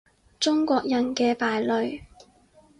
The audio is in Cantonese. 中國人嘅敗類